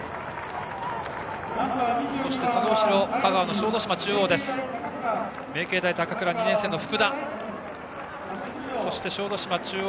そしてその後ろ香川の小豆島中央。